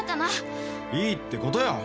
いいってことよ。